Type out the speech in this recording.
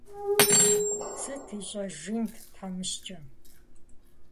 Сыт ищӀэжынт тхьэмыщкӀэм?